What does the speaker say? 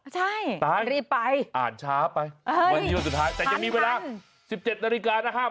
ใช่ตารีบไปอ่านช้าไปวันนี้วันสุดท้ายแต่ยังมีเวลา๑๗นาฬิกานะครับ